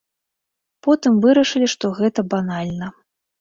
Потым вырашылі што гэта банальна.